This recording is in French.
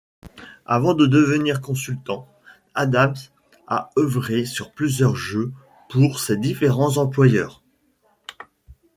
Avant de devenir consultant, Adams a œuvré sur plusieurs jeux pour ses différents employeurs.